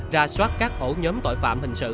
ra soát các ổ nhóm tội phạm hình sự